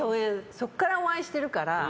そこからお会いしてるから。